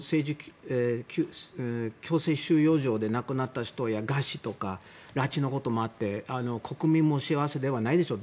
強制収容所で亡くなった人や餓死とか拉致のこともあって国民も幸せではないでしょう